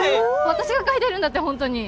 私が書いてるんだってホントに